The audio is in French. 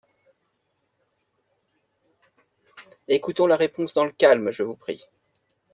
Écoutons la réponse dans le calme, je vous prie.